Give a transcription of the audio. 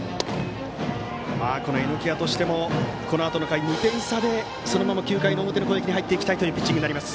榎谷としてもこのあとの回２点差でそのまま９回の表の攻撃入っていきたいというピッチングになります。